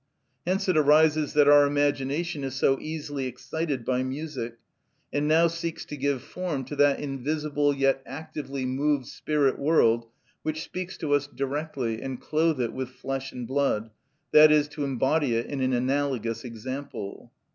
Hence it arises that our imagination is so easily excited by music, and now seeks to give form to that invisible yet actively moved spirit world which speaks to us directly, and clothe it with flesh and blood, i.e., to embody it in an analogous example.